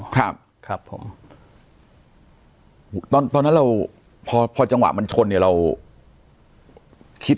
ครับครับผมตอนตอนนั้นเราพอพอจังหวะมันชนเนี่ยเราคิด